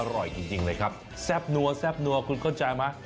อร่อยจริงเลยครับแซ่บนัวแซ่บนัวคุณเข้าใจไหม